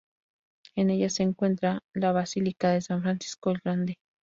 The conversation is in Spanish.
En ella se encuentra la basílica de San Francisco el Grande.